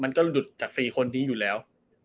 มันก็หลุดจาก๔คนนี้อยู่แล้ว